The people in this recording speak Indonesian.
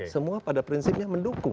semua pada prinsipnya mendukung